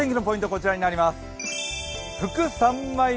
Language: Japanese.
こちらになります。